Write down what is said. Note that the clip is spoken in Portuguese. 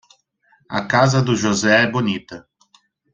A casa do José é bonita.